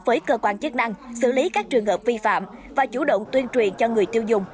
với cơ quan chức năng xử lý các trường hợp vi phạm và chủ động tuyên truyền cho người tiêu dùng